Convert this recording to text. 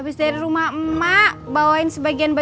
abis dari rumah emak bawain sebagiannya